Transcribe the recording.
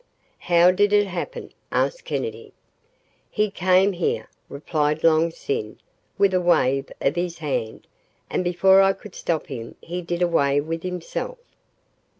"How did it happen?" asked Kennedy. "He came here," replied Long Sin, with a wave of his hand, "and before I could stop him he did away with himself."